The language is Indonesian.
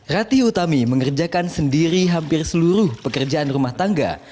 rati utami mengerjakan sendiri hampir seluruh pekerjaan rumah tangga